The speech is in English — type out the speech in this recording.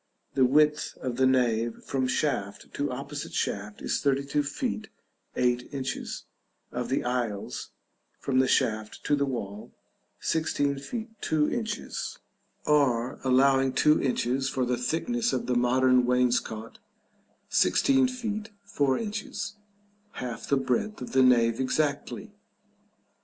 The width of the nave from shaft to opposite shaft is 32 feet 8 inches: of the aisles, from the shaft to the wall, 16 feet 2 inches, or allowing 2 inches for the thickness of the modern wainscot, 16 feet 4 inches, half the breadth of the nave exactly.